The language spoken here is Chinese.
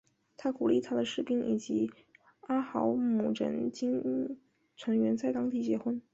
他鼓励他的士兵以及阿豪姆人精英成员在当地结婚。